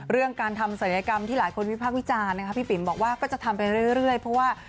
เรื่องการทำศัลยกรรมที่หลายคนวิพากษ์วิจารณ์นะคะพี่ปิ๋มบอกว่าก็จะทำไปเรื่อยเพราะว่า